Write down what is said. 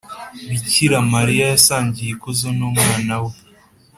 bikira mariya yasangiye ikuzo n’umwana we.